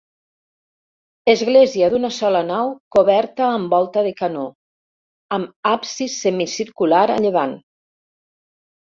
Església d'una sola nau coberta amb volta de canó, amb absis semicircular a llevant.